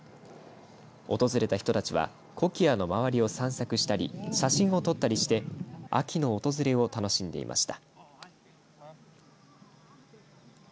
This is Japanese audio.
訪れた人たちはコキアの周りを散策したり写真を撮ったりして秋の訪れを楽しんでいました。